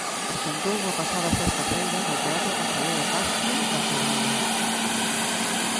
Presentouno a pasada sexta feira no Teatro Rosalía de Castro da Coruña.